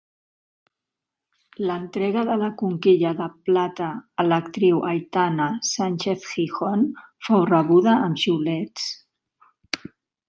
L'entrega de la Conquilla de Plata a l'actriu Aitana Sánchez-Gijón fou rebuda amb xiulets.